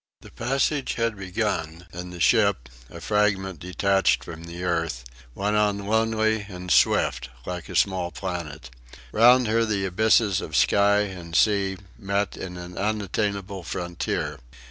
The passage had begun, and the ship, a fragment detached from the earth, went on lonely and swift like a small planet. Round her the abysses of sky and sea met in an unattainable frontier.